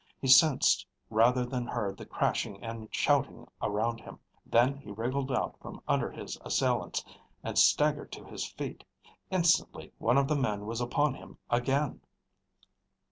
He sensed rather than heard the crashing and shouting around him. Then he wriggled out from under his assailants and staggered to his feet. Instantly one of the men was upon him again.